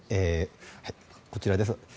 こちらです。